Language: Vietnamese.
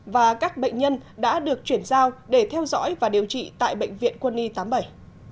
và các bệnh nhân đã được chuyển giao để theo dõi và điều trị tại bệnh viện quân y tám mươi bảy